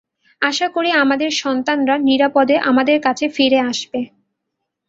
আশা করি, আমাদের সন্তানরা নিরাপদে আমাদের কাছে ফিরে আসবে।